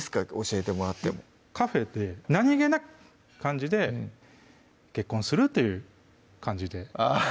教えてもらってもカフェで何気ない感じで「結婚する？」っていう感じであぁ